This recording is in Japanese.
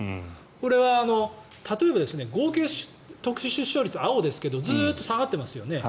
これは例えば合計特殊出生率青ですけれどずっと下がってますよね。